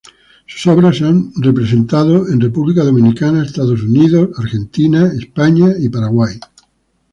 Sus obras se han presentado en República Dominicana, Estados Unidos, Argentina, España y Paraguay.